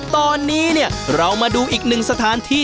ตอนนี้เนี่ยเรามาดูอีกหนึ่งสถานที่